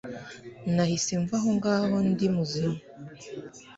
Nahise mva aho ngaho ndi muzima